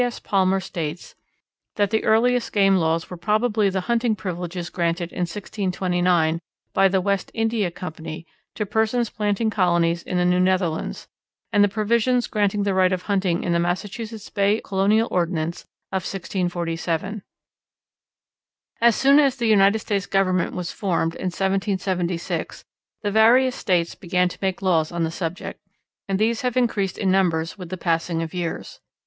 S. Palmer states that the earliest game laws were probably the hunting privileges granted in 1629 by the West India Company to persons planting colonies in the New Netherlands, and the provisions granting the right of hunting in the Massachusetts Bay Colonial Ordinance of 1647. As soon as the United States Government was formed, in 1776, the various States began to make laws on the subject, and these have increased in numbers with the passing of years.